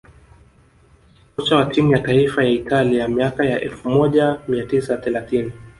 kocha wa timu ya taifa ya Italia miaka ya elfu moja mia tisa thelathini